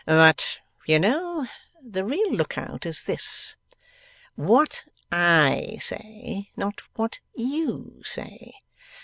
'But you know, the real look out is this: what I say, not what you say.